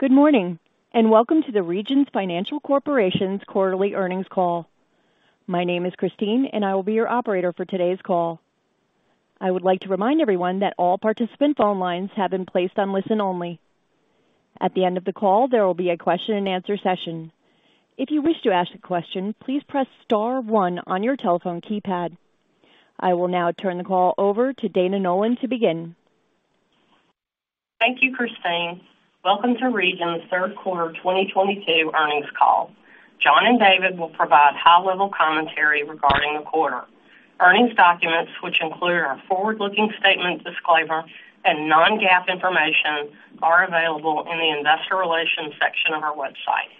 Good morning, and welcome to the Regions Financial Corporation's quarterly earnings call. My name is Christine and I will be your operator for today's call. I would like to remind everyone that all participant phone lines have been placed on listen only. At the end of the call, there will be a question-and-answer session. If you wish to ask a question, please press star one on your telephone keypad. I will now turn the call over to Dana Nolan to begin. Thank you, Christine. Welcome to Regions third quarter 2022 earnings call. John and David will provide high-level commentary regarding the quarter. Earnings documents, which include our forward-looking statement disclaimer and non-GAAP information, are available in the investor relations section of our website.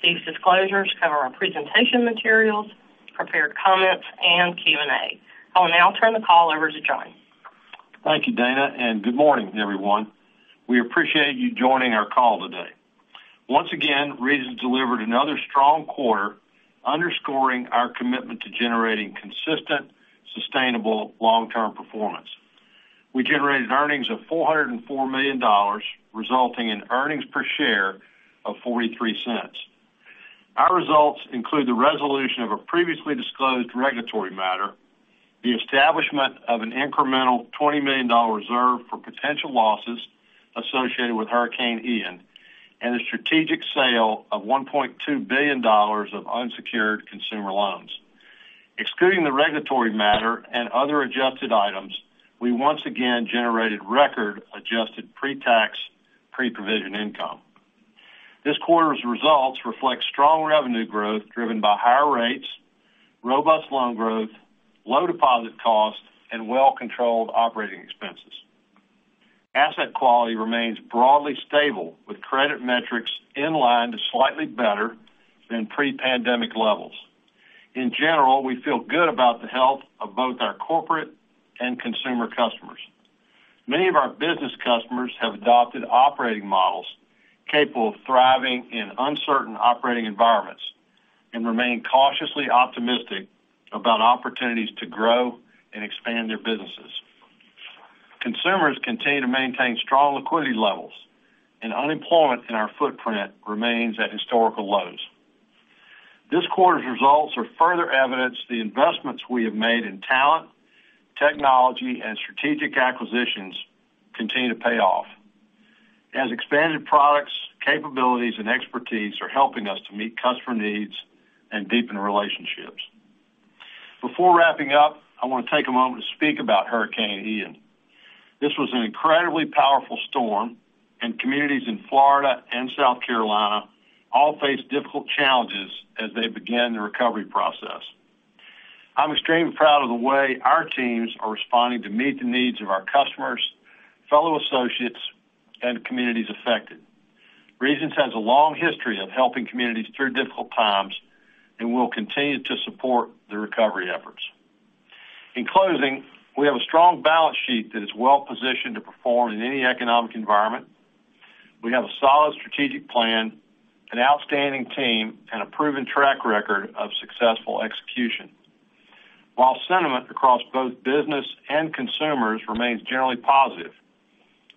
These disclosures cover our presentation materials, prepared comments and Q&A. I will now turn the call over to John. Thank you, Dana, and good morning, everyone. We appreciate you joining our call today. Once again, Regions delivered another strong quarter underscoring our commitment to generating consistent, sustainable long-term performance. We generated earnings of $404 million, resulting in earnings per share of $0.43. Our results include the resolution of a previously disclosed regulatory matter, the establishment of an incremental $20 million reserve for potential losses associated with Hurricane Ian, and a strategic sale of $1.2 billion of unsecured consumer loans. Excluding the regulatory matter and other adjusted items, we once again generated record adjusted pre-tax pre-provision income. This quarter's results reflect strong revenue growth driven by higher rates, robust loan growth, low deposit costs and well-controlled operating expenses. Asset quality remains broadly stable with credit metrics in line to slightly better than pre-pandemic levels. In general, we feel good about the health of both our corporate and consumer customers. Many of our business customers have adopted operating models capable of thriving in uncertain operating environments and remain cautiously optimistic about opportunities to grow and expand their businesses. Consumers continue to maintain strong liquidity levels and unemployment in our footprint remains at historical lows. This quarter's results are further evidence the investments we have made in talent, technology and strategic acquisitions continue to pay off as expanded products, capabilities and expertise are helping us to meet customer needs and deepen relationships. Before wrapping up, I want to take a moment to speak about Hurricane Ian. This was an incredibly powerful storm, and communities in Florida and South Carolina all face difficult challenges as they begin the recovery process. I'm extremely proud of the way our teams are responding to meet the needs of our customers, fellow associates and communities affected. Regions has a long history of helping communities through difficult times and will continue to support the recovery efforts. In closing, we have a strong balance sheet that is well-positioned to perform in any economic environment. We have a solid strategic plan, an outstanding team and a proven track record of successful execution. While sentiment across both business and consumers remains generally positive,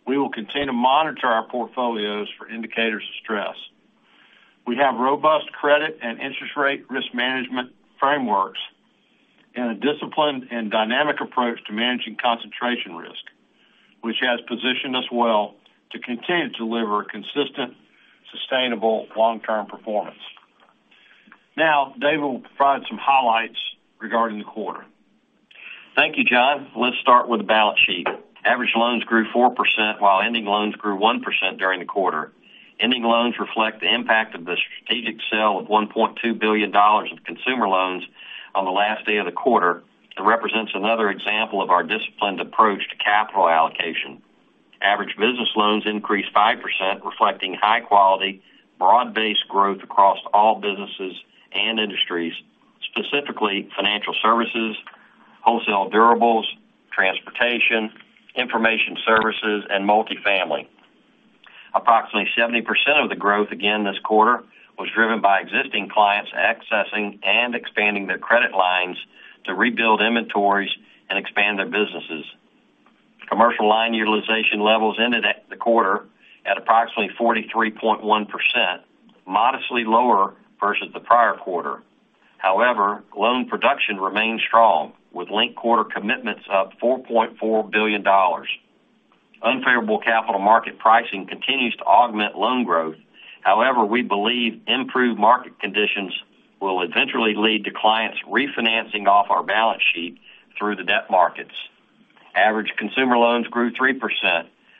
we will continue to monitor our portfolios for indicators of stress. We have robust credit and interest rate risk management frameworks and a disciplined and dynamic approach to managing concentration risk, which has positioned us well to continue to deliver consistent, sustainable long-term performance. Now David will provide some highlights regarding the quarter. Thank you, John. Let's start with the balance sheet. Average loans grew 4%, while ending loans grew 1% during the quarter. Ending loans reflect the impact of the strategic sale of $1.2 billion of consumer loans on the last day of the quarter, that represents another example of our disciplined approach to capital allocation. Average business loans increased 5%, reflecting high quality, broad-based growth across all businesses and industries, specifically financial services, wholesale durables, transportation, information services and multifamily. Approximately 70% of the growth again this quarter was driven by existing clients accessing and expanding their credit lines to rebuild inventories and expand their businesses. Commercial line utilization levels ended the quarter at approximately 43.1%, modestly lower versus the prior quarter. However, loan production remains strong, with linked quarter commitments up $4.4 billion. Unfavorable capital market pricing continues to augment loan growth. However, we believe improved market conditions will eventually lead to clients refinancing off our balance sheet through the debt markets. Average consumer loans grew 3%,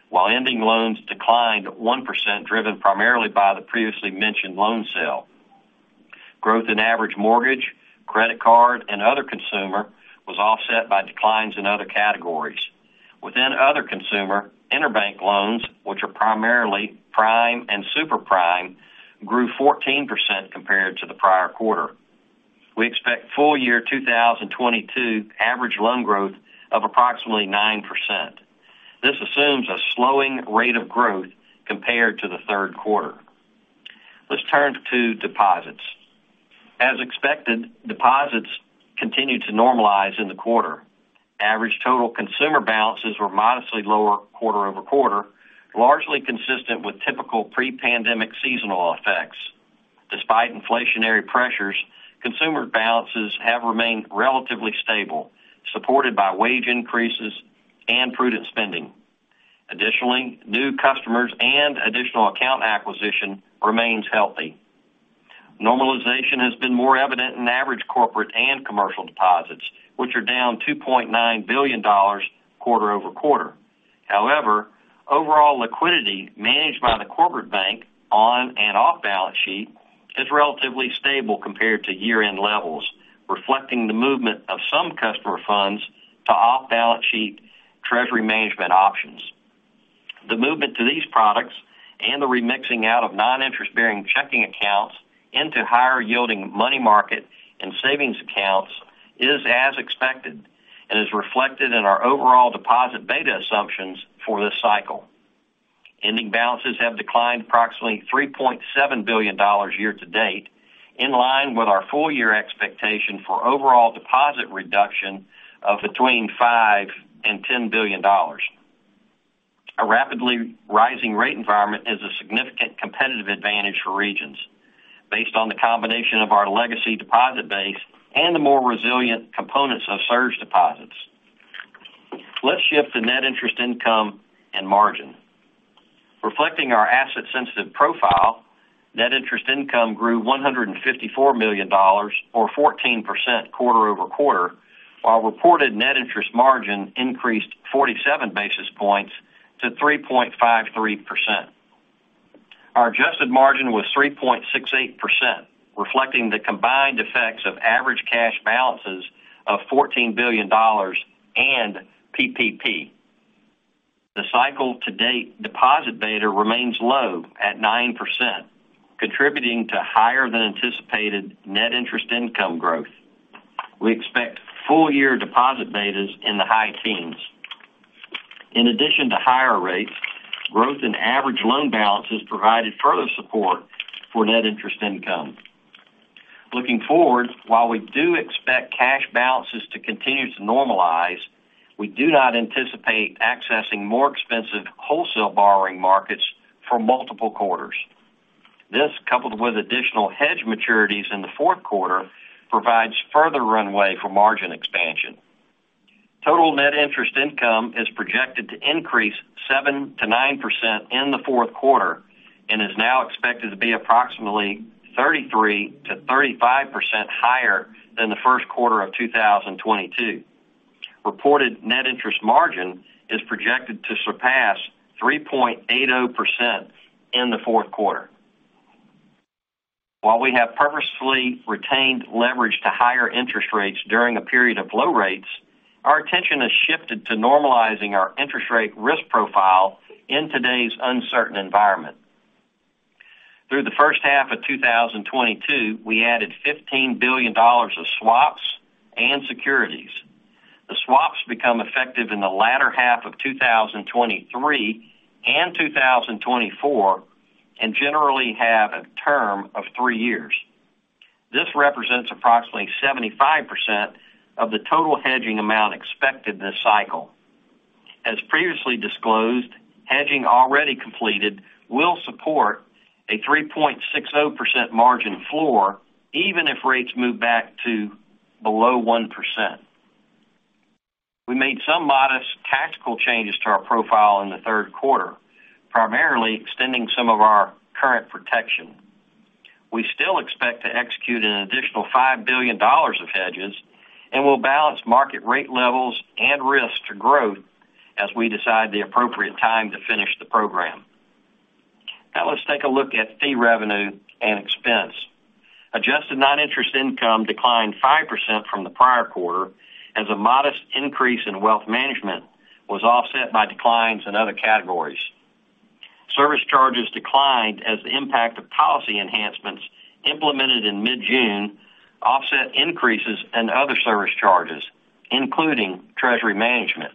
while ending loans declined 1%, driven primarily by the previously mentioned loan sale. Growth in average mortgage, credit card and other consumer was offset by declines in other categories. Within other consumer, EnerBank loans, which are primarily prime and super prime, grew 14% compared to the prior quarter. We expect full year 2022 average loan growth of approximately 9%. This assumes a slowing rate of growth compared to the third quarter. Let's turn to deposits. As expected, deposits continued to normalize in the quarter. Average total consumer balances were modestly lower quarter over quarter, largely consistent with typical pre-pandemic seasonal effects. Despite inflationary pressures, consumer balances have remained relatively stable, supported by wage increases and prudent spending. Additionally, new customers and additional account acquisition remains healthy. Normalization has been more evident in average corporate and commercial deposits, which are down $2.9 billion quarter-over-quarter. However, overall liquidity managed by the corporate bank on and off balance sheet is relatively stable compared to year-end levels, reflecting the movement of some customer funds to off-balance sheet treasury management options. The movement to these products and the remixing out of non-interest-bearing checking accounts into higher yielding money market and savings accounts is as expected and is reflected in our overall deposit beta assumptions for this cycle. Ending balances have declined approximately $3.7 billion year to date, in line with our full-year expectation for overall deposit reduction of between $5 billion and $10 billion. A rapidly rising rate environment is a significant competitive advantage for Regions based on the combination of our legacy deposit base and the more resilient components of surge deposits. Let's shift to net interest income and margin. Reflecting our asset-sensitive profile, net interest income grew $154 million or 14% quarter-over-quarter, while reported net interest margin increased 47 basis points to 3.53%. Our adjusted margin was 3.68%, reflecting the combined effects of average cash balances of $14 billion and PPP. The cycle to date deposit beta remains low at 9%, contributing to higher than anticipated net interest income growth. We expect full year deposit betas in the high teens. In addition to higher rates, growth in average loan balances provided further support for net interest income. Looking forward, while we do expect cash balances to continue to normalize, we do not anticipate accessing more expensive wholesale borrowing markets for multiple quarters. This, coupled with additional hedge maturities in the fourth quarter, provides further runway for margin expansion. Total net interest income is projected to increase 7%-9% in the fourth quarter and is now expected to be approximately 33%-35% higher than the first quarter of 2022. Reported net interest margin is projected to surpass 3.80% in the fourth quarter. While we have purposefully retained leverage to higher interest rates during a period of low rates, our attention has shifted to normalizing our interest rate risk profile in today's uncertain environment. Through the first half of 2022, we added $15 billion of swaps and securities. The swaps become effective in the latter half of 2023 and 2024 and generally have a term of three years. This represents approximately 75% of the total hedging amount expected this cycle. As previously disclosed, hedging already completed will support a 3.60% margin floor, even if rates move back to below 1%. We made some modest tactical changes to our profile in the third quarter, primarily extending some of our current protection. We still expect to execute an additional $5 billion of hedges, and we'll balance market rate levels and risk to growth as we decide the appropriate time to finish the program. Now let's take a look at fee revenue and expense. Adjusted non-interest income declined 5% from the prior quarter as a modest increase in wealth management was offset by declines in other categories. Service charges declined as the impact of policy enhancements implemented in mid-June offset increases in other service charges, including treasury management.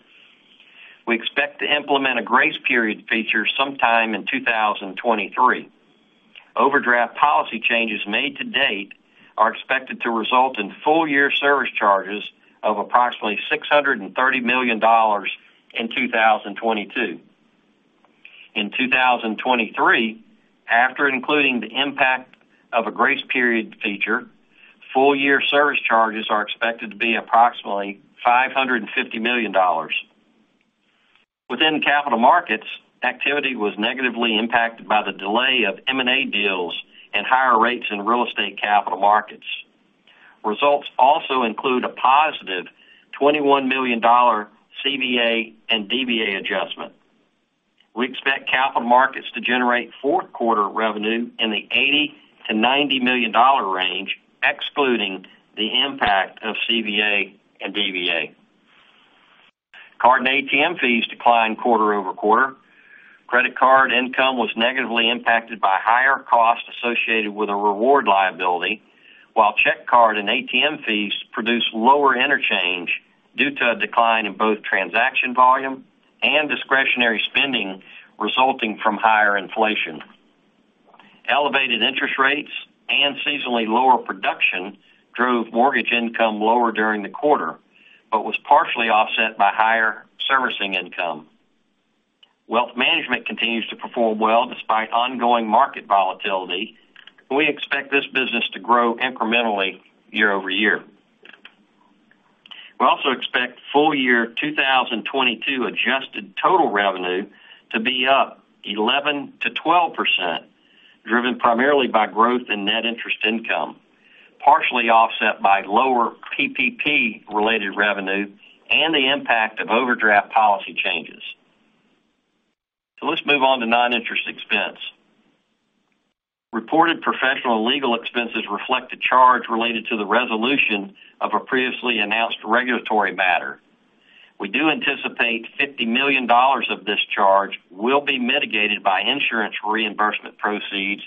We expect to implement a grace period feature sometime in 2023. Overdraft policy changes made to date are expected to result in full-year service charges of approximately $630 million in 2022. In 2023, after including the impact of a grace period feature, full-year service charges are expected to be approximately $550 million. Within capital markets, activity was negatively impacted by the delay of M&A deals and higher rates in real estate capital markets. Results also include a positive $21 million CVA and DVA adjustment. We expect capital markets to generate fourth quarter revenue in the $80 million-$90 million range, excluding the impact of CVA and DVA. Card and ATM fees declined quarter-over-quarter. Credit card income was negatively impacted by higher costs associated with a reward liability. While CheckCard and ATM fees produce lower interchange due to a decline in both transaction volume and discretionary spending resulting from higher inflation. Elevated interest rates and seasonally lower production drove mortgage income lower during the quarter, but was partially offset by higher servicing income. Wealth management continues to perform well despite ongoing market volatility. We expect this business to grow incrementally year-over-year. We also expect full year 2022 adjusted total revenue to be up 11%-12%, driven primarily by growth in net interest income, partially offset by lower PPP related revenue and the impact of overdraft policy changes. Let's move on to non-interest expense. Reported professional legal expenses reflect a charge related to the resolution of a previously announced regulatory matter. We do anticipate $50 million of this charge will be mitigated by insurance reimbursement proceeds,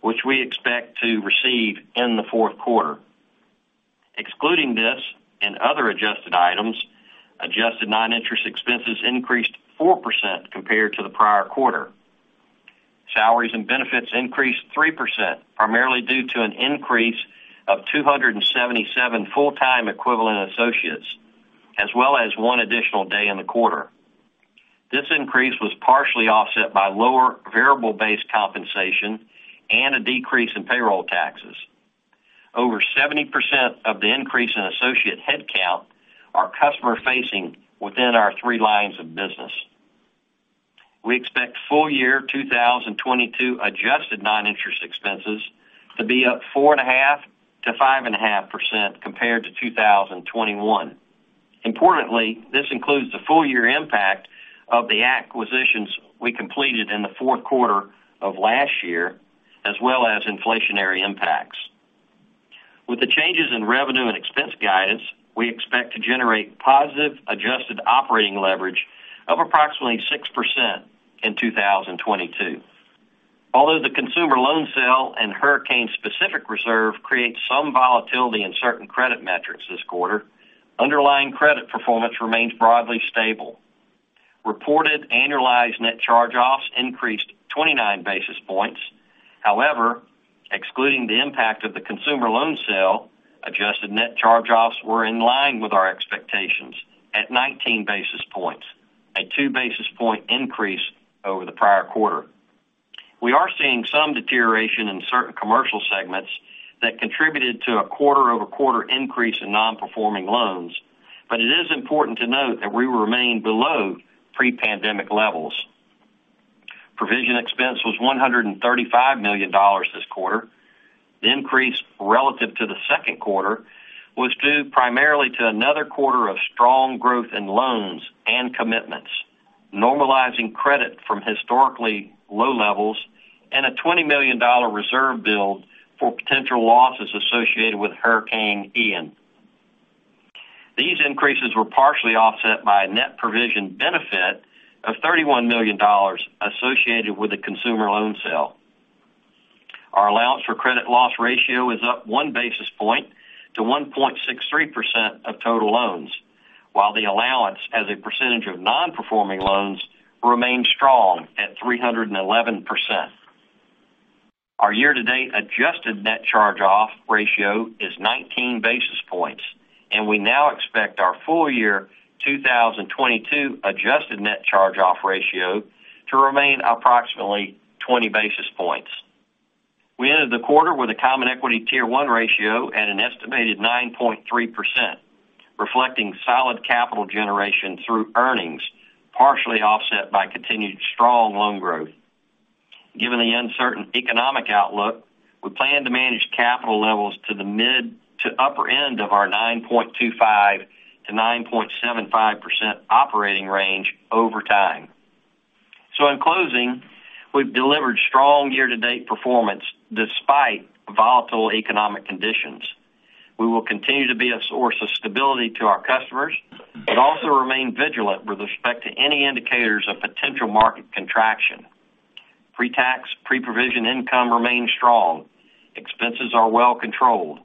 which we expect to receive in the fourth quarter. Excluding this and other adjusted items, adjusted non-interest expenses increased 4% compared to the prior quarter. Salaries and benefits increased 3%, primarily due to an increase of 277 full-time equivalent associates, as well as 1 additional day in the quarter. This increase was partially offset by lower variable based compensation and a decrease in payroll taxes. Over 70% of the increase in associate headcount are customer facing within our three lines of business. We expect full year 2022 adjusted non-interest expenses to be up 4.5%-5.5% compared to 2021. Importantly, this includes the full year impact of the acquisitions we completed in the fourth quarter of last year, as well as inflationary impacts. With the changes in revenue and expense guidance, we expect to generate positive adjusted operating leverage of approximately 6% in 2022. Although the consumer loan sale and hurricane-specific reserve creates some volatility in certain credit metrics this quarter, underlying credit performance remains broadly stable. Reported annualized net charge-offs increased 29 basis points. However, excluding the impact of the consumer loan sale, adjusted net charge-offs were in line with our expectations at 19 basis points, a 2 basis point increase over the prior quarter. We are seeing some deterioration in certain commercial segments that contributed to a quarter-over-quarter increase in non-performing loans. It is important to note that we remain below pre-pandemic levels. Provision expense was $135 million this quarter. The increase relative to the second quarter was due primarily to another quarter of strong growth in loans and commitments, normalizing credit from historically low levels and a $20 million reserve build for potential losses associated with Hurricane Ian. These increases were partially offset by a net provision benefit of $31 million associated with the consumer loan sale. Our allowance for credit loss ratio is up 1 basis point to 1.63% of total loans, while the allowance as a percentage of non-performing loans remains strong at 311%. Our year-to-date adjusted net charge-off ratio is 19 basis points, and we now expect our full year 2022 adjusted net charge-off ratio to remain approximately 20 basis points. We ended the quarter with a Common Equity Tier 1 ratio at an estimated 9.3%, reflecting solid capital generation through earnings, partially offset by continued strong loan growth. Given the uncertain economic outlook, we plan to manage capital levels to the mid to upper end of our 9.25%-9.75% operating range over time. In closing, we've delivered strong year-to-date performance despite volatile economic conditions. We will continue to be a source of stability to our customers, but also remain vigilant with respect to any indicators of potential market contraction. Pre-tax, pre-provision income remains strong. Expenses are well controlled.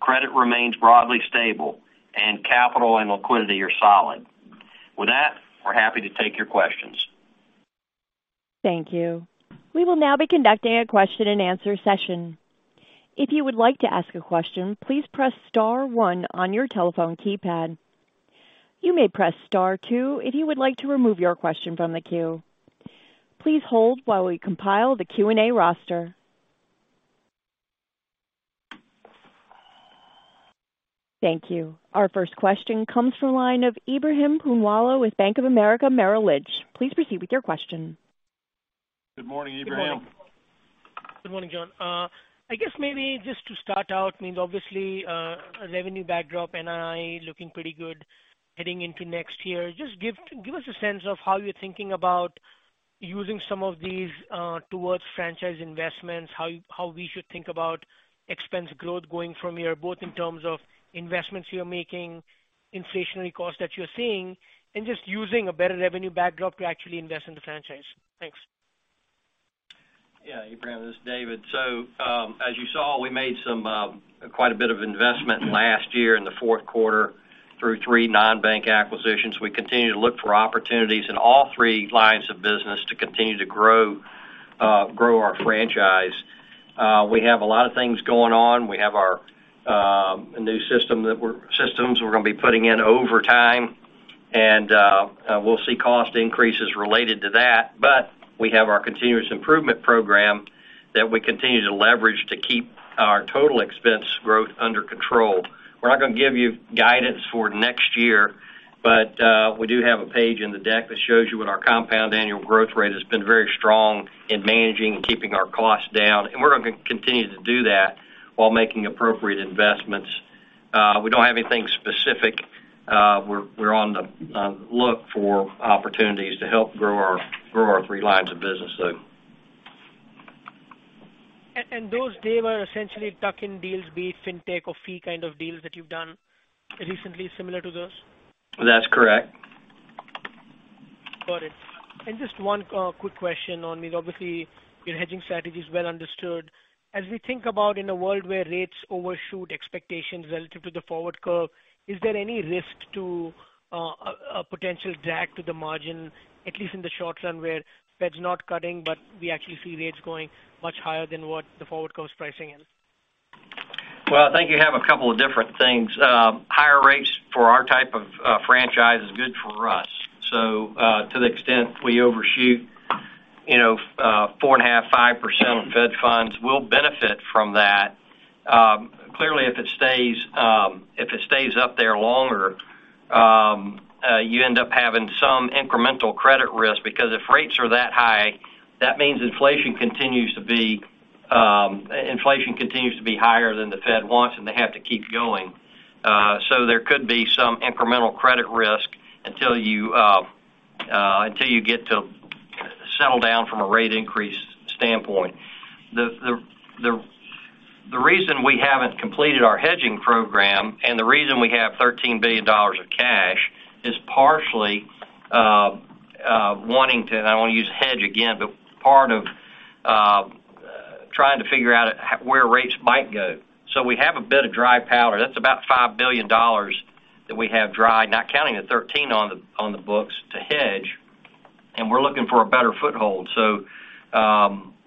Credit remains broadly stable and capital and liquidity are solid. With that, we're happy to take your questions. Thank you. We will now be conducting a question and answer session. If you would like to ask a question, please press star one on your telephone keypad. You may press star two if you would like to remove your question from the queue. Please hold while we compile the Q&A roster. Thank you. Our first question comes from the line of Ebrahim Poonawala with Bank of America Merrill Lynch. Please proceed with your question. Good morning, Ebrahim. Good morning, John. I guess maybe just to start out, I mean, obviously, revenue backdrop, NII looking pretty good heading into next year. Just give us a sense of how you're thinking about using some of these towards franchise investments, how we should think about expense growth going from here, both in terms of investments you're making, inflationary costs that you're seeing, and just using a better revenue backdrop to actually invest in the franchise. Thanks. Yeah, Ebrahim, this is David. As you saw, we made some quite a bit of investment last year in the fourth quarter through three non-bank acquisitions. We continue to look for opportunities in all three lines of business to continue to grow our franchise. We have a lot of things going on. We have our new systems we're gonna be putting in over time, and we'll see cost increases related to that. We have our continuous improvement program that we continue to leverage to keep our total expense growth under control. We're not gonna give you guidance for next year, but we do have a page in the deck that shows you what our compound annual growth rate has been very strong in managing and keeping our costs down, and we're gonna continue to do that while making appropriate investments. We don't have anything specific. We're on the lookout for opportunities to help grow our three lines of business. Those, David, are essentially tuck-in deals, be it fintech or fee kind of deals that you've done recently similar to those? That's correct. Got it. Just one quick question on, obviously, your hedging strategy is well understood. As we think about in a world where rates overshoot expectations relative to the forward curve, is there any risk to a potential drag to the margin, at least in the short run, where Fed's not cutting, but we actually see rates going much higher than what the forward curve's pricing in? Well, I think you have a couple of different things. Higher rates for our type of franchise is good for us. To the extent we overshoot, you know, 4.5%-5% on Fed funds, we'll benefit from that. Clearly, if it stays up there longer, you end up having some incremental credit risk, because if rates are that high, that means inflation continues to be higher than the Fed wants, and they have to keep going. There could be some incremental credit risk until you get to settle down from a rate increase standpoint. The reason we haven't completed our hedging program and the reason we have $13 billion of cash is partially wanting to, and I don't wanna use hedge again, but part of trying to figure out where rates might go. We have a bit of dry powder. That's about $5 billion that we have dry, not counting the 13 on the books to hedge, and we're looking for a better foothold.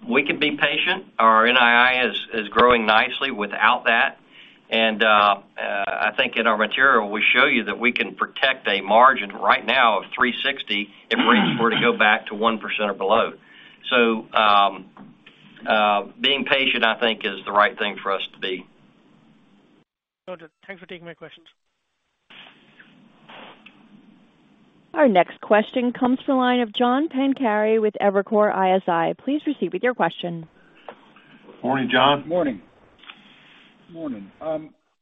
We can be patient. Our NII is growing nicely without that. I think in our material, we show you that we can protect a margin right now of 3.60% if rates were to go back to 1% or below. Being patient, I think is the right thing for us to be. Got you. Thanks for taking my questions. Our next question comes from the line of John Pancari with Evercore ISI. Please proceed with your question. Morning, John. Morning.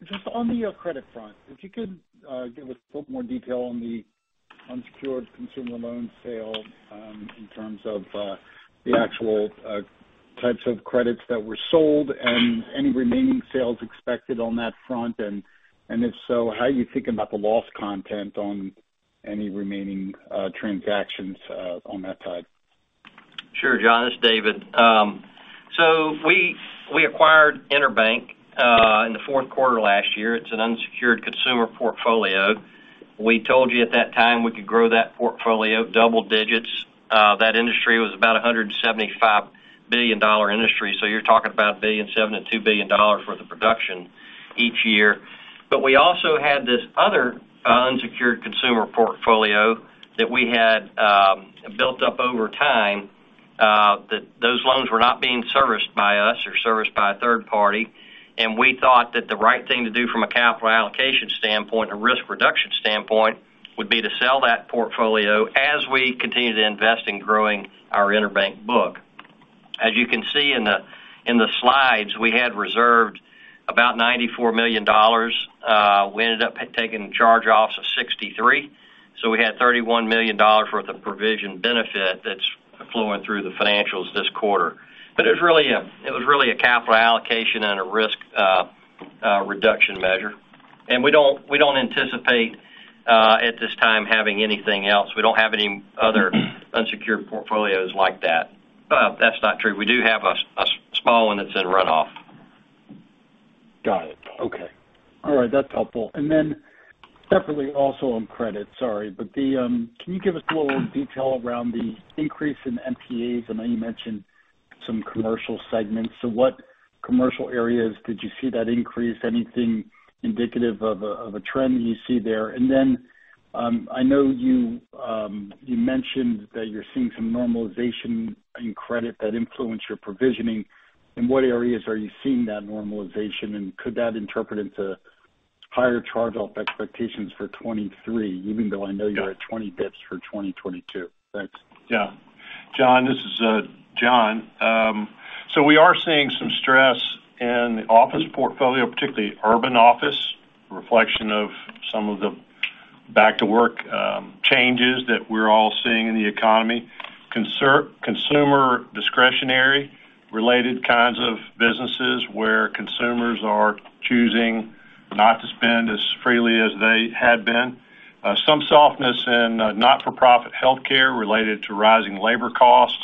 Just on the credit front, if you could give us a little more detail on the unsecured consumer loan sale, in terms of the actual types of credits that were sold and any remaining sales expected on that front. If so, how are you thinking about the loss content on any remaining transactions on that side? Sure, John, it's David. So we acquired EnerBank in the fourth quarter last year. It's an unsecured consumer portfolio. We told you at that time we could grow that portfolio double digits. That industry was about a $175 billion industry, so you're talking about $1.7 billion-$2 billion worth of production each year. We also had this other unsecured consumer portfolio that we had built up over time, that those loans were not being serviced by us or serviced by a third party. We thought that the right thing to do from a capital allocation standpoint and risk reduction standpoint would be to sell that portfolio as we continue to invest in growing our EnerBank book. As you can see in the slides, we had reserved about $94 million. We ended up taking charge-offs of 63. We had $31 million worth of provision benefit that's flowing through the financials this quarter. It was really a capital allocation and a risk reduction measure. We don't anticipate at this time having anything else. We don't have any other unsecured portfolios like that. That's not true. We do have a small one that's in runoff. Got it. Okay. All right. That's helpful. Separately, also on credit, sorry, but can you give us a little detail around the increase in NPAs? I know you mentioned some commercial segments. What commercial areas did you see that increase? Anything indicative of a trend you see there? I know you mentioned that you're seeing some normalization in credit that influence your provisioning. In what areas are you seeing that normalization? Could that translate into higher charge-off expectations for 2023, even though I know you're at 20 bps for 2022? Thanks. Yeah. John, this is John. So we are seeing some stress in the office portfolio, particularly urban office, reflection of some of the back to work changes that we're all seeing in the economy. Consumer discretionary related kinds of businesses where consumers are choosing not to spend as freely as they had been. Some softness in not-for-profit healthcare related to rising labor costs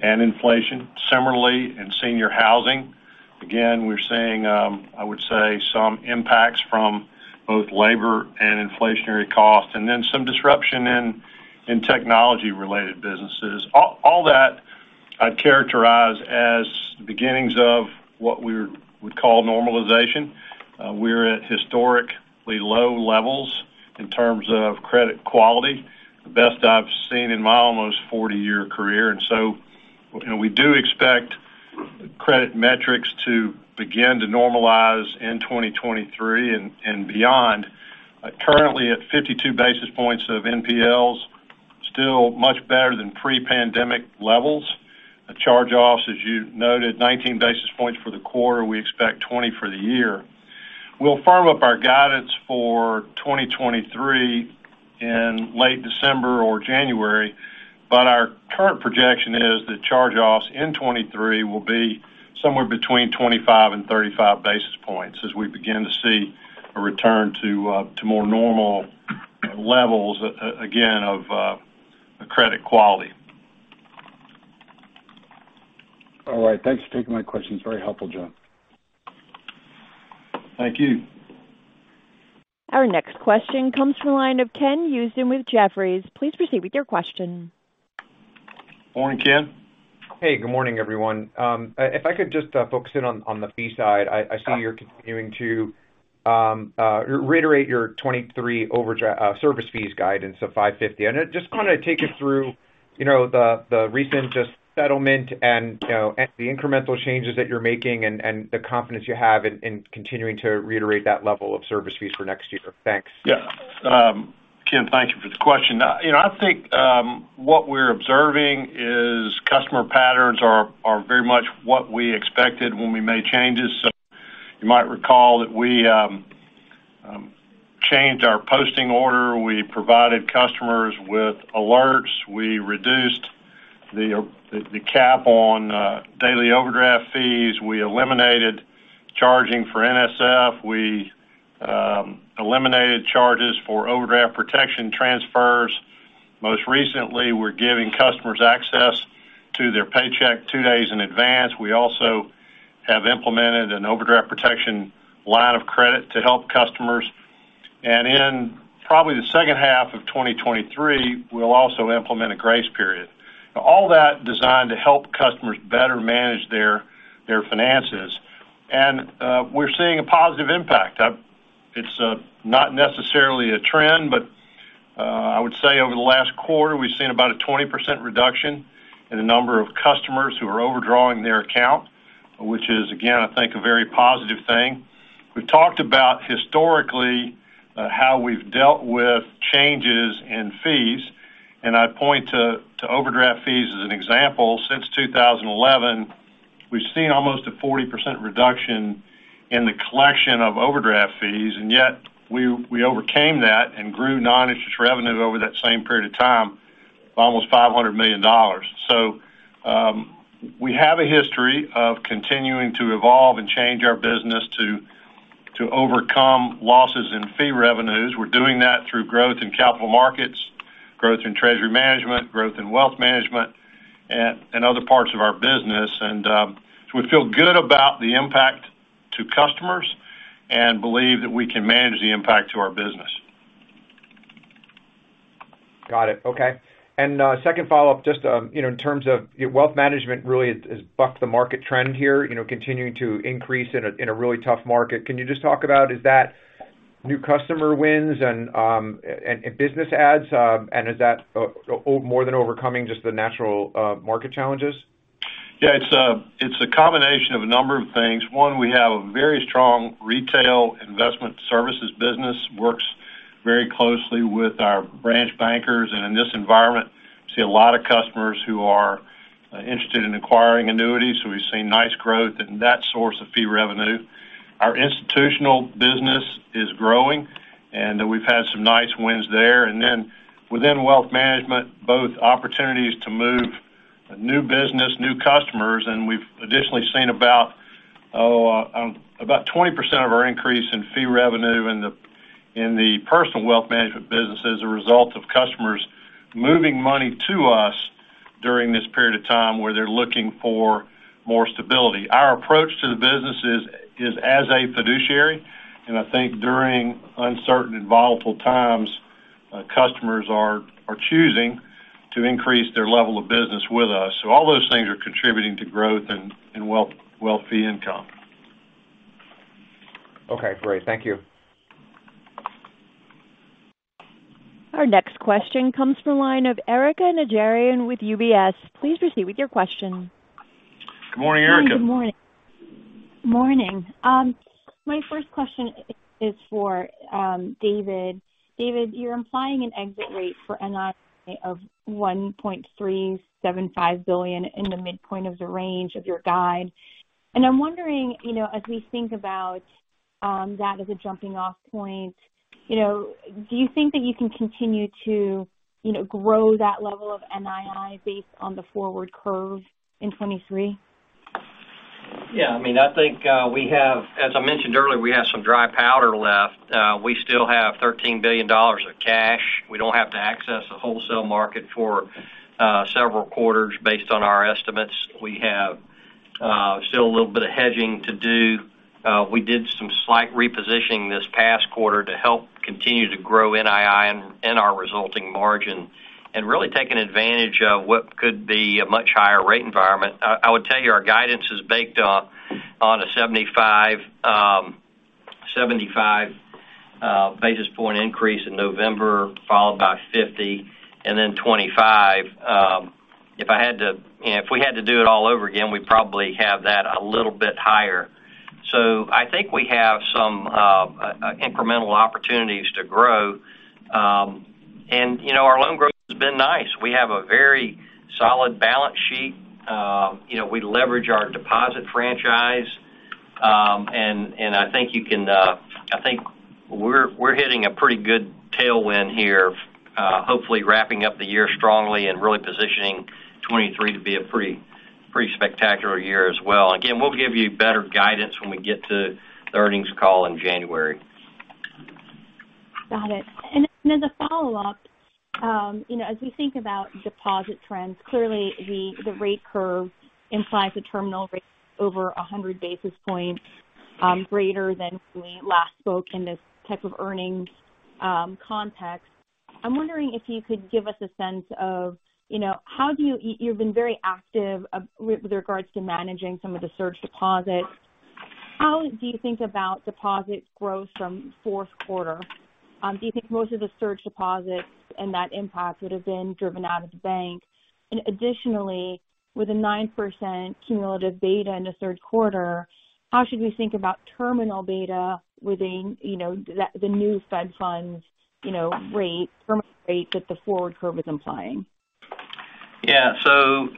and inflation. Similarly, in senior housing, again, we're seeing, I would say some impacts from both labor and inflationary costs, and then some disruption in technology related businesses. All that I'd characterize as beginnings of what we would call normalization. We're at historically low levels in terms of credit quality, the best I've seen in my almost 40-year career. You know, we do expect credit metrics to begin to normalize in 2023 and beyond. Currently at 52 basis points of NPLs, still much better than pre-pandemic levels. The charge-offs, as you noted, 19 basis points for the quarter, we expect 20 for the year. We'll firm up our guidance for 2023 in late December or January, but our current projection is that charge-offs in 2023 will be somewhere between 25 and 35 basis points as we begin to see a return to more normal levels, again, of credit quality. All right. Thanks for taking my questions. Very helpful, John. Thank you. Our next question comes from the line of Ken Usdin with Jefferies. Please proceed with your question. Morning, Ken. Hey, good morning, everyone. If I could just focus in on the fee side. I see you're continuing to reiterate your 2023 overdraft service fees guidance of $550. I just wanna take you through, you know, the recent DOJ settlement and, you know, the incremental changes that you're making and the confidence you have in continuing to reiterate that level of service fees for next year. Thanks. Yeah. Ken, thank you for the question. You know, I think what we're observing is customer patterns are very much what we expected when we made changes. You might recall that we changed our posting order. We provided customers with alerts. We reduced the cap on daily overdraft fees. We eliminated charging for NSF. We eliminated charges for overdraft protection transfers. Most recently, we're giving customers access to their paycheck two days in advance. We also have implemented an overdraft protection line of credit to help customers. In probably the second half of 2023, we'll also implement a grace period. All that designed to help customers better manage their finances. We're seeing a positive impact. It's not necessarily a trend, but I would say over the last quarter, we've seen about a 20% reduction in the number of customers who are overdrawing their account, which is, again, I think, a very positive thing. We've talked about historically how we've dealt with changes in fees, and I'd point to overdraft fees as an example. Since 2011, we've seen almost a 40% reduction in the collection of overdraft fees, and yet we overcame that and grew non-interest revenue over that same period of time by almost $500 million. We have a history of continuing to evolve and change our business to overcome losses in fee revenues. We're doing that through growth in capital markets, growth in treasury management, growth in wealth management, and other parts of our business. We feel good about the impact to customers and believe that we can manage the impact to our business. Got it. Okay. Second follow-up, just, you know, in terms of your wealth management really has bucked the market trend here, you know, continuing to increase in a really tough market. Can you just talk about is that new customer wins and business adds, and is that more than overcoming just the natural market challenges? Yeah. It's a combination of a number of things. One, we have a very strong retail investment services business, works very closely with our branch bankers, and in this environment, we see a lot of customers who are interested in acquiring annuities, so we've seen nice growth in that source of fee revenue. Our institutional business is growing, and we've had some nice wins there. Within wealth management, both opportunities to move new business, new customers, and we've additionally seen about 20% of our increase in fee revenue in the personal wealth management business as a result of customers moving money to us during this period of time, where they're looking for more stability. Our approach to the business is as a fiduciary, and I think during uncertain and volatile times, customers are choosing to increase their level of business with us. All those things are contributing to growth and wealth fee income. Okay, great. Thank you. Our next question comes from the line of Erika Najarian with UBS. Please proceed with your question. Good morning, Erika Najarian. Good morning. Morning. My first question is for David. David, you're implying an exit rate for NII of $1.375 billion in the midpoint of the range of your guide. I'm wondering, you know, as we think about that as a jumping off point, you know, do you think that you can continue to, you know, grow that level of NII based on the forward curve in 2023? Yeah, I mean, I think, as I mentioned earlier, we have some dry powder left. We still have $13 billion of cash. We don't have to access the wholesale market for several quarters based on our estimates. We have still a little bit of hedging to do. We did some slight repositioning this past quarter to help continue to grow NII and our resulting margin, and really taking advantage of what could be a much higher rate environment. I would tell you our guidance is baked on a 75 basis point increase in November, followed by 50 and then 25. If we had to do it all over again, we'd probably have that a little bit higher. I think we have some incremental opportunities to grow. You know, our loan growth has been nice. We have a very solid balance sheet. You know, we leverage our deposit franchise. I think we're hitting a pretty good tailwind here, hopefully wrapping up the year strongly and really positioning 2023 to be a pretty spectacular year as well. Again, we'll give you better guidance when we get to the earnings call in January. Got it. Then the follow-up, you know, as we think about deposit trends, clearly the rate curve implies a terminal rate over 100 basis points, greater than we last spoke in this type of earnings context. I'm wondering if you could give us a sense of, you know, how you've been very active with regards to managing some of the surge deposits. How do you think about deposit growth from fourth quarter? Do you think most of the surge deposits and that impact would have been driven out of the bank? Additionally, with a 9% cumulative beta in the third quarter, how should we think about terminal beta within, you know, the new Fed funds, you know, rate, terminal rate that the forward curve is implying? Yeah.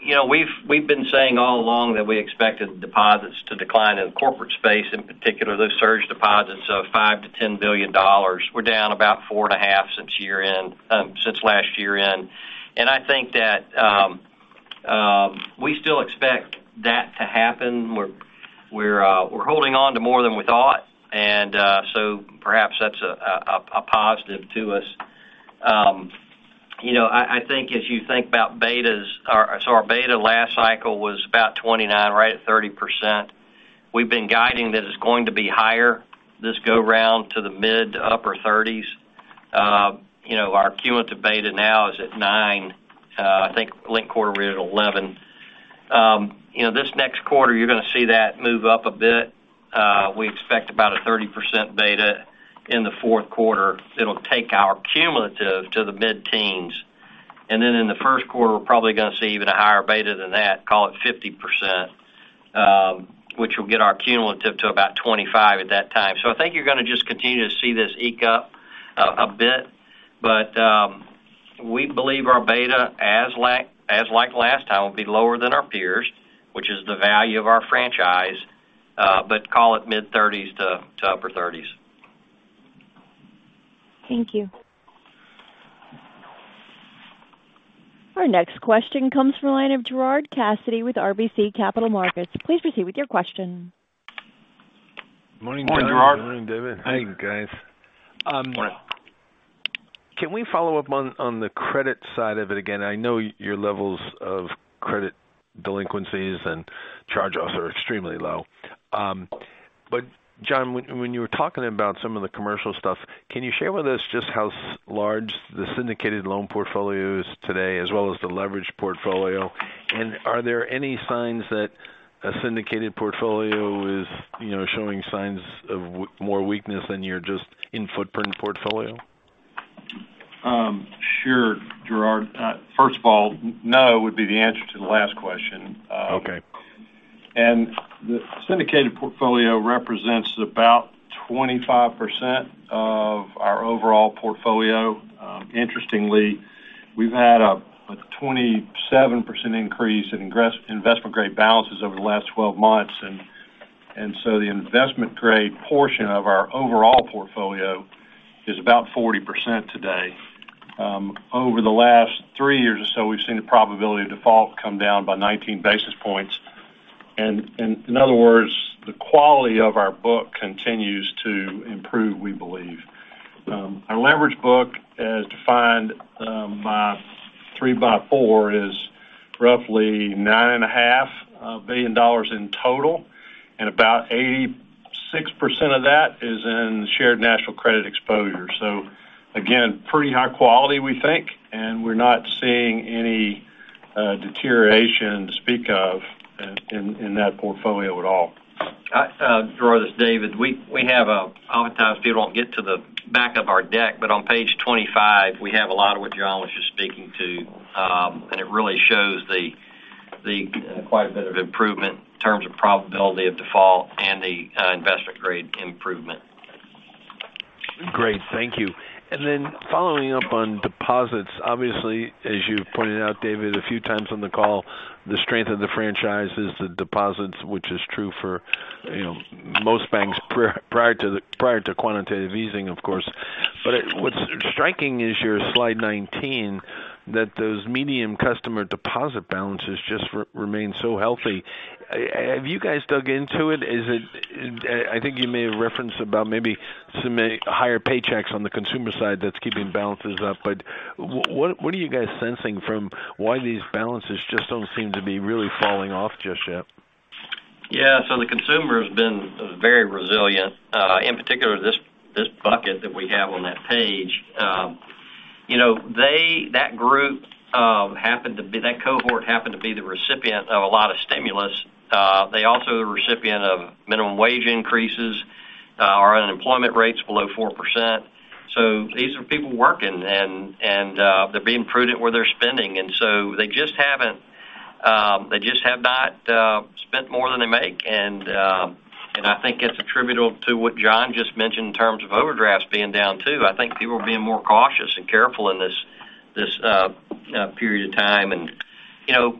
You know, we've been saying all along that we expected deposits to decline in corporate space, in particular, those surge deposits of $5 billion-$10 billion. We're down about $4.5 billion since year-end, since last year-end. I think that we still expect that to happen. We're holding on to more than we thought, and so perhaps that's a positive to us. You know, I think as you think about betas, our beta last cycle was about 29, right at 30%. We've been guiding that it's going to be higher this go round to the mid- to upper 30s. Our cumulative beta now is at 9. I think linked quarter we're at 11. You know, this next quarter, you're gonna see that move up a bit. We expect about a 30% beta in the fourth quarter. It'll take our cumulative to the mid-teens. In the first quarter, we're probably gonna see even a higher beta than that, call it 50%, which will get our cumulative to about 25 at that time. I think you're gonna just continue to see this eke up a bit. We believe our beta as like last time, will be lower than our peers, which is the value of our franchise, but call it mid-thirties to upper thirties. Thank you. Our next question comes from the line of Gerard Cassidy with RBC Capital Markets. Please proceed with your question. Morning, John. Morning, Gerard. Morning, David. Hi, guys. Can we follow up on the credit side of it again? I know your levels of credit delinquencies and charge-offs are extremely low. John, when you were talking about some of the commercial stuff, can you share with us just how large the syndicated loan portfolio is today, as well as the leverage portfolio? Are there any signs that a syndicated portfolio is showing signs of more weakness than your just in-footprint portfolio? Sure, Gerard. First of all, no would be the answer to the last question. Okay. The syndicated portfolio represents about 25% of our overall portfolio. Interestingly, we've had a 27% increase in investment grade balances over the last 12 months. The investment grade portion of our overall portfolio is about 40% today. Over the last three years or so, we've seen the probability of default come down by 19 basis points. In other words, the quality of our book continues to improve, we believe. Our leverage book, as defined by three by four, is roughly $9.5 billion in total, and about 86% of that is in Shared National Credit exposure. Again, pretty high quality, we think, and we're not seeing any deterioration to speak of in that portfolio at all. Gerard, this is David. We have oftentimes, people don't get to the back of our deck, but on page 25, we have a lot of what John was just speaking to. It really shows quite a bit of improvement in terms of probability of default and the investment grade improvement. Great. Thank you. Then following up on deposits, obviously, as you pointed out, David, a few times on the call, the strength of the franchise is the deposits, which is true for, you know, most banks prior to quantitative easing, of course. What's striking is your slide 19, that those median customer deposit balances just remain so healthy. Have you guys dug into it? I think you may have referenced about maybe some higher paychecks on the consumer side that's keeping balances up. What are you guys sensing from why these balances just don't seem to be really falling off just yet? Yeah. The consumer has been very resilient, in particular this bucket that we have on that page. You know, that group, that cohort, happened to be the recipient of a lot of stimulus. They're also the recipient of minimum wage increases. Our unemployment rate's below 4%. These are people working and they're being prudent where they're spending. They just have not spent more than they make. I think it's attributable to what John just mentioned in terms of overdrafts being down, too. I think people are being more cautious and careful in this period of time. You know,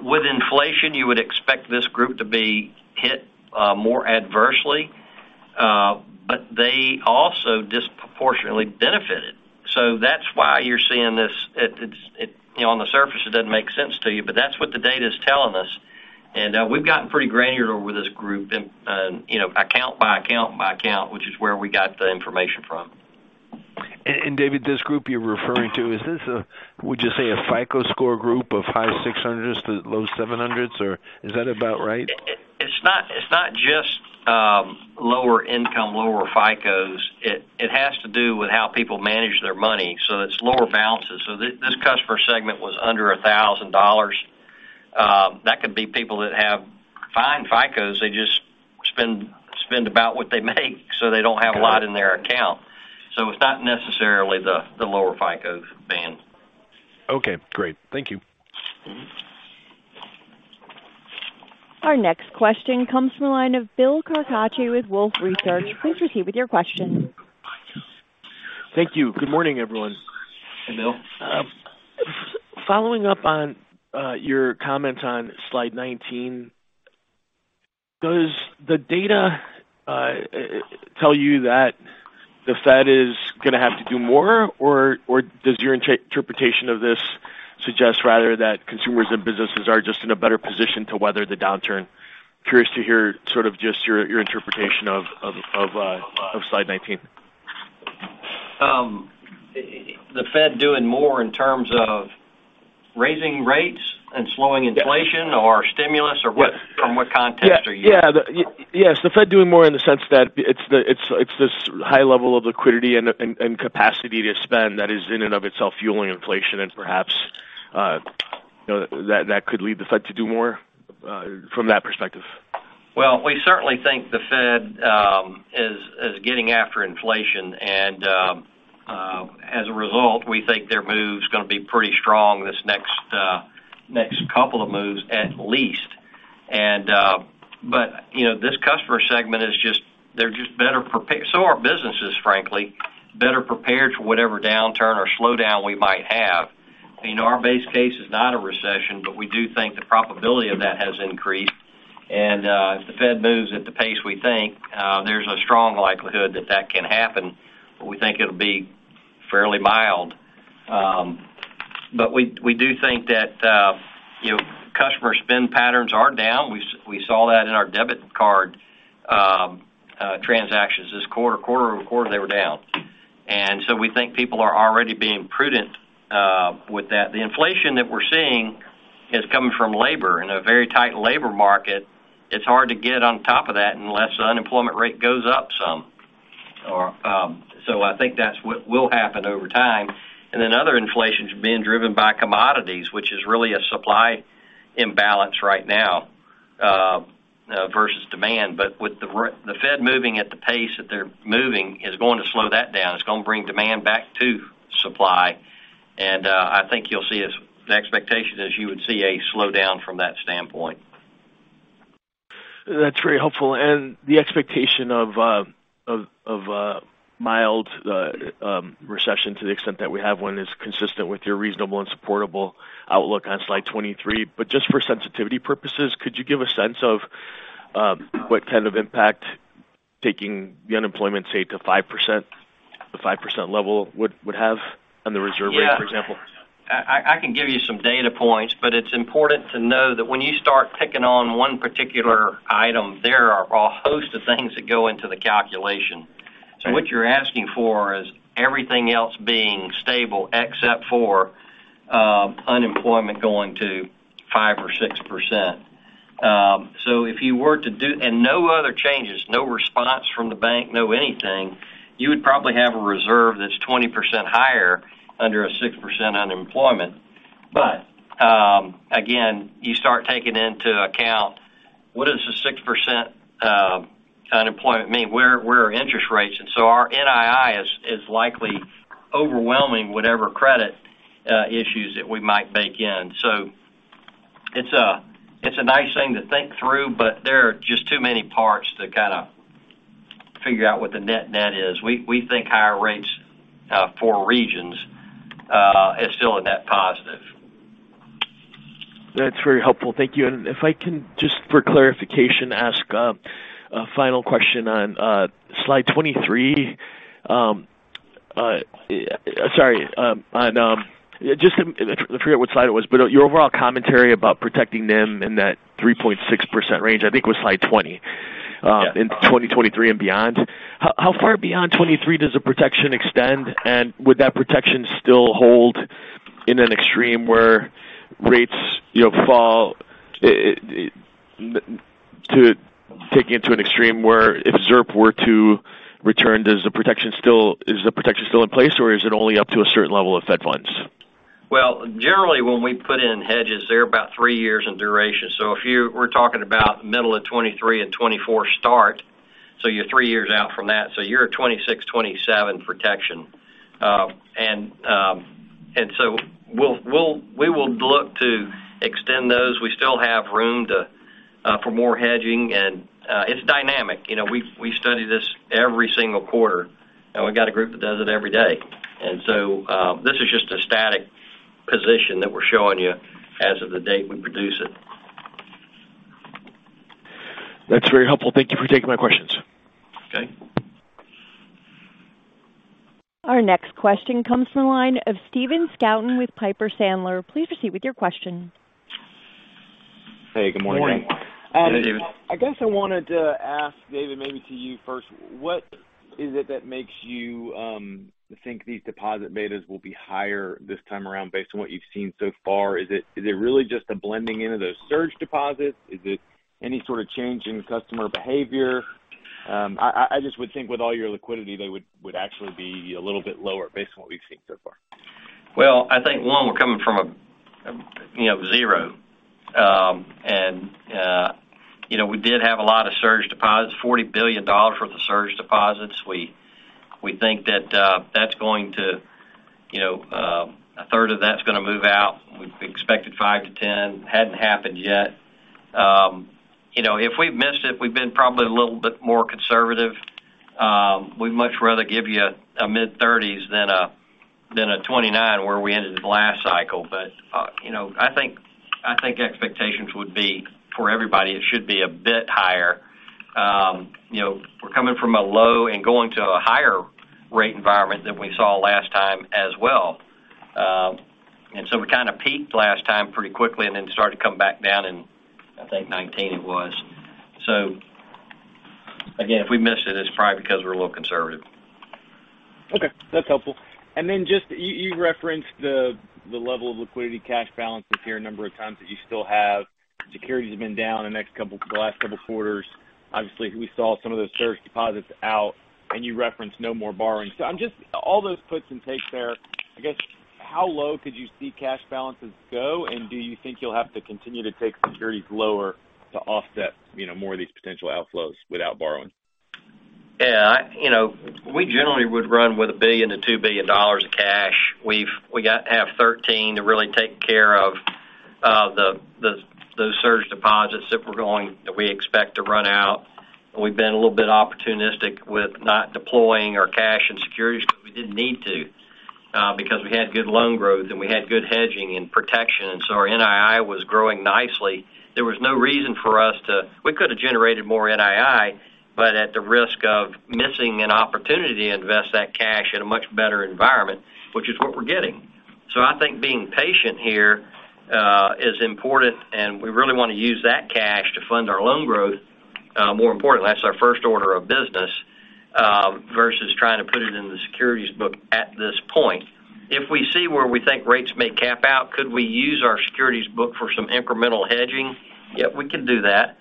with inflation, you would expect this group to be hit more adversely, but they also disproportionately benefited. That's why you're seeing this. It's, you know, on the surface, it doesn't make sense to you, but that's what the data is telling us. We've gotten pretty granular with this group and, you know, account by account by account, which is where we got the information from. David, this group you're referring to, would you say a FICO score group of high 600s-low 700s or is that about right? It's not just lower income, lower FICO's. It has to do with how people manage their money. It's lower balances. This customer segment was under $1,000. That could be people that have fine FICO's. They just spend about what they make, so they don't have a lot in their account. It's not necessarily the lower FICO band. Okay, great. Thank you. Mm-hmm. Our next question comes from the line of Bill Carcache with Wolfe Research. Please proceed with your question. Thank you. Good morning, everyone. Hey, Bill. Following up on your comment on slide 19, does the data tell you that the Fed is gonna have to do more? Or does your interpretation of this suggest rather that consumers and businesses are just in a better position to weather the downturn? Curious to hear sort of just your interpretation of slide 19. The Fed doing more in terms of raising rates and slowing inflation or stimulus, or what, from what context are you- Yeah. Yes, the Fed doing more in the sense that it's this high level of liquidity and capacity to spend that is in and of itself fueling inflation and perhaps, you know, that could lead the Fed to do more, from that perspective. Well, we certainly think the Fed is getting after inflation. As a result, we think their move is gonna be pretty strong this next couple of moves at least. But, you know, this customer segment is just better prepared, so are businesses, frankly, for whatever downturn or slowdown we might have. You know, our base case is not a recession, but we do think the probability of that has increased. If the Fed moves at the pace we think, there's a strong likelihood that that can happen, but we think it'll be fairly mild. We do think that, you know, customer spend patterns are down. We saw that in our debit card transactions this quarter. Quarter-over-quarter, they were down. We think people are already being prudent with that. The inflation that we're seeing is coming from labor. In a very tight labor market, it's hard to get on top of that unless the unemployment rate goes up some. I think that's what will happen over time. Other inflation's being driven by commodities, which is really a supply imbalance right now versus demand. The Fed moving at the pace that they're moving is going to slow that down. It's gonna bring demand back to supply. I think you'll see the expectation is you would see a slowdown from that standpoint. That's very helpful. The expectation of a mild recession to the extent that we have one is consistent with your reasonable and supportable outlook on slide 23. Just for sensitivity purposes, could you give a sense of what kind of impact taking the unemployment rate to 5% level would have on the reserve rate, for example? Yeah. I can give you some data points, but it's important to know that when you start picking on one particular item, there are a host of things that go into the calculation. What you're asking for is everything else being stable except for unemployment going to 5% or 6%. If you were to do and no other changes, no response from the bank, no anything, you would probably have a reserve that's 20% higher under a 6% unemployment. Again, you start taking into account what does the 6% unemployment mean? Where are interest rates? Our NII is likely overwhelming whatever credit issues that we might bake in. It's a nice thing to think through, but there are just too many parts to kind of figure out what the net-net is. We think higher rates for Regions is still a net positive. That's very helpful. Thank you. If I can just for clarification ask a final question on slide 23. Sorry, I forget what slide it was, but your overall commentary about protecting NIM in that 3.6% range, I think, was slide 20 in 2023 and beyond. How far beyond 2023 does the protection extend, and would that protection still hold in an extreme where rates, you know, fall to taking it to an extreme where if ZIRP were to return, is the protection still in place, or is it only up to a certain level of Fed funds? Well, generally, when we put in hedges, they're about three years in duration. If you were talking about middle of 2023 and 2024 start, you're three years out from that, so you're a 2026-2027 protection. We will look to extend those. We still have room for more hedging, and it's dynamic. You know, we study this every single quarter, and we've got a group that does it every day. This is just a static position that we're showing you as of the date we produce it. That's very helpful. Thank you for taking my questions. Okay. Our next question comes from the line of Stephen Scouten with Piper Sandler. Please proceed with your question. Hey, good morning. Morning. I guess I wanted to ask David, maybe to you first, what is it that makes you think these deposit betas will be higher this time around based on what you've seen so far? Is it really just a blending into those surge deposits? Is it any sort of change in customer behavior? I just would think with all your liquidity, they would actually be a little bit lower based on what we've seen so far. Well, I think one, we're coming from a zero. You know, we did have a lot of surge deposits, $40 billion worth of surge deposits. We think that that's going to, you know, a third of that's gonna move out. We expected $5 billion-$10 billion, hadn't happened yet. You know, if we've missed it, we've been probably a little bit more conservative. We'd much rather give you a mid-30s than a 29 where we ended the last cycle. You know, I think expectations would be for everybody, it should be a bit higher. You know, we're coming from a low and going to a higher rate environment than we saw last time as well. We kind of peaked last time pretty quickly and then started to come back down in, I think, 2019 it was. Again, if we missed it's probably because we're a little conservative. Okay, that's helpful. Just you referenced the level of liquidity, cash balances here, a number of times that you still have. Securities have been down the last couple quarters. Obviously, we saw some of those surged deposits out, and you referenced no more borrowing. I'm just all those puts and takes there, I guess, how low could you see cash balances go, and do you think you'll have to continue to take securities lower to offset, you know, more of these potential outflows without borrowing? Yeah, you know, we generally would run with $1 billion-$2 billion of cash. We've got to have $13 billion to really take care of the surge deposits that we expect to run into. We've been a little bit opportunistic with not deploying our cash and securities because we didn't need to, because we had good loan growth, and we had good hedging and protection, and so our NII was growing nicely. There was no reason for us to. We could have generated more NII, but at the risk of missing an opportunity to invest that cash in a much better environment, which is what we're getting. I think being patient here is important, and we really wanna use that cash to fund our loan growth. More importantly, that's our first order of business versus trying to put it in the securities book at this point. If we see where we think rates may cap out, could we use our securities book for some incremental hedging? Yep, we can do that.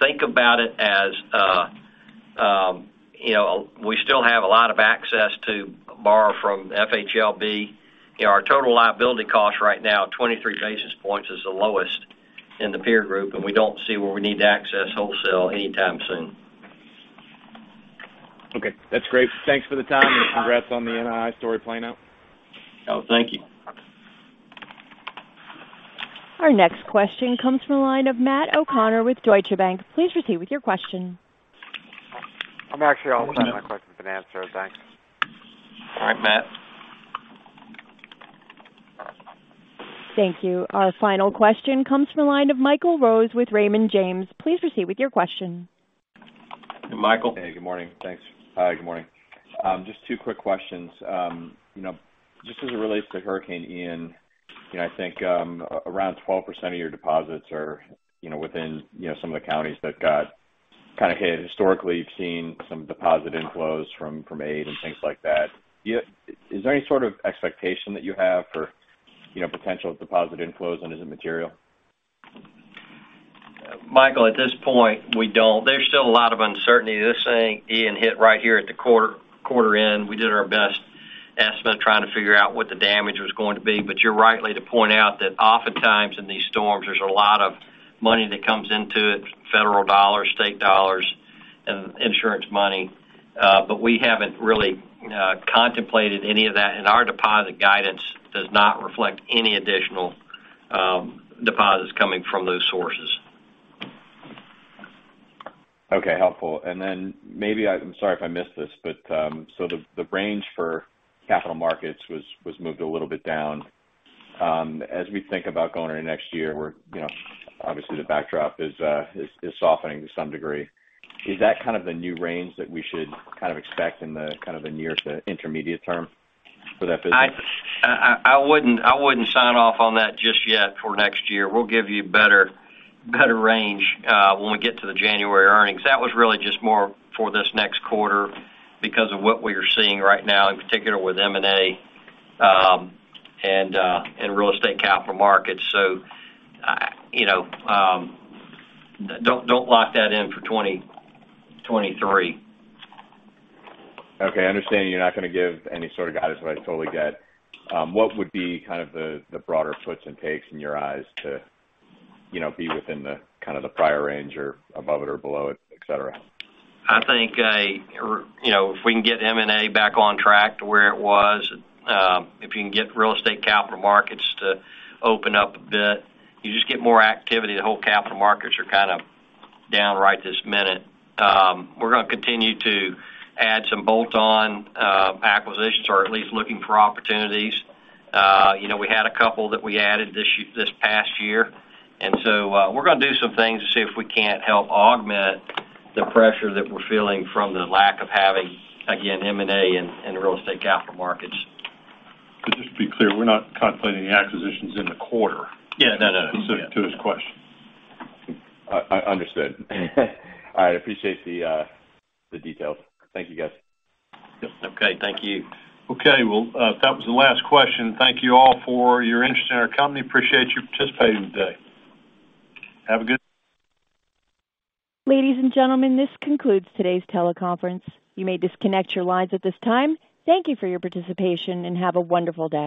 Think about it as, you know, we still have a lot of access to borrow from FHLB. You know, our total liability cost right now, 23 basis points, is the lowest in the peer group, and we don't see where we need to access wholesale anytime soon. Okay, that's great. Thanks for the time and congrats on the NII story playing out. Oh, thank you. Our next question comes from the line of Matt O'Connor with Deutsche Bank. Please proceed with your question. I'm actually all set. My question's been answered. Thanks. All right, Matt. Thank you. Our final question comes from the line of Michael Rose with Raymond James. Please proceed with your question. Michael. Hey, good morning. Thanks. Hi, good morning. Just two quick questions. You know, just as it relates to Hurricane Ian, you know, I think around 12% of your deposits are, you know, within, you know, some of the counties that got kind of hit. Historically, you've seen some deposit inflows from aid and things like that. Is there any sort of expectation that you have for, you know, potential deposit inflows, and is it material? Michael, at this point, we don't. There's still a lot of uncertainty. This thing, Ian, hit right here at the quarter end. We did our best estimate trying to figure out what the damage was going to be. But you're right to point out that oftentimes in these storms, there's a lot of money that comes into it, federal dollars, state dollars, and insurance money. But we haven't really contemplated any of that, and our deposit guidance does not reflect any additional deposits coming from those sources. Okay, helpful. Then maybe I'm sorry if I missed this, but so the range for capital markets was moved a little bit down. As we think about going into next year where, you know, obviously the backdrop is softening to some degree, is that kind of the new range that we should kind of expect in the kind of the near to intermediate term for that business? I wouldn't sign off on that just yet for next year. We'll give you better range when we get to the January earnings. That was really just more for this next quarter because of what we are seeing right now, in particular with M&A and real estate capital markets. You know, don't lock that in for 2023. Okay. I understand you're not gonna give any sort of guidance, but I totally get. What would be kind of the broader puts and takes in your eyes to, you know, be within the kind of the prior range or above it or below it, et cetera? I think, you know, if we can get M&A back on track to where it was, if you can get real estate capital markets to open up a bit, you just get more activity. The whole capital markets are kind of down right this minute. We're gonna continue to add some bolt-on acquisitions or at least looking for opportunities. You know, we had a couple that we added this past year, and so, we're gonna do some things to see if we can't help augment the pressure that we're feeling from the lack of having, again, M&A and real estate capital markets. Just to be clear, we're not contemplating any acquisitions in the quarter. Yeah, no. To his question. Understood. All right, appreciate the details. Thank you, guys. Okay, thank you. Okay, well, that was the last question. Thank you all for your interest in our company. Appreciate you participating today. Have a good. Ladies and gentlemen, this concludes today's teleconference. You may disconnect your lines at this time. Thank you for your participation, and have a wonderful day.